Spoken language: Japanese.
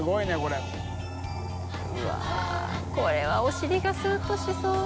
うわっこれはお尻がスッとしそう。